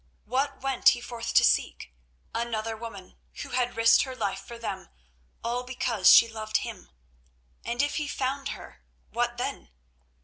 What went he forth to seek? Another woman, who had risked her life for them all because she loved him. And if he found her, what then?